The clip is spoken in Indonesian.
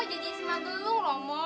jadi istri magelung